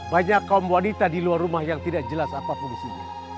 banyak kaum wanita di luar rumah yang tidak jelas apa fungsinya